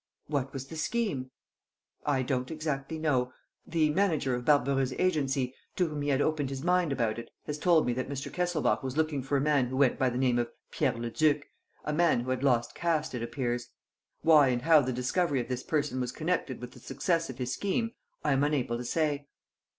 "What was the scheme?" "I don't exactly know. The manager of Barbareux's agency, to whom he had opened his mind about it, has told me that Mr. Kesselbach was looking for a man who went by the name of Pierre Leduc, a man who had lost caste, it appears. Why and how the discovery of this person was connected with the success of his scheme, I am unable to say."